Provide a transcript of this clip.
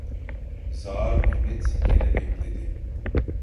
Zağar Mehmet gene bekledi.